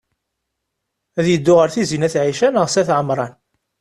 Ad yeddu ɣer Tizi n at Ɛica neɣ s at Ɛemṛan?